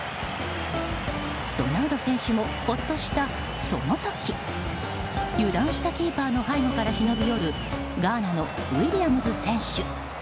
ロナウド選手もほっとした、その時油断したキーパーの背後から忍び寄るガーナのウィリアムズ選手。